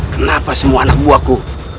kenapa semua anak buahku